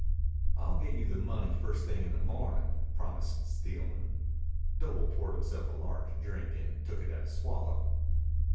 "I'll get you the money first thing in the mornin'," promised Steelman. Doble poured himself a large drink and took it at a swallow.